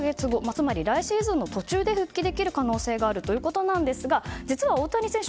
つまり来シーズンの途中で復帰できる可能性があるということなんですが実は大谷選手